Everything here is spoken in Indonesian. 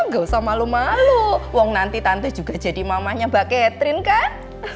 gak usah malu malu wong nanti tante juga jadi mamahnya mbak catherine kan